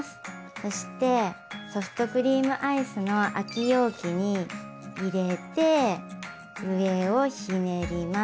そしてソフトクリームアイスの空き容器に入れて上をひねります。